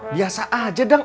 biasa aja dang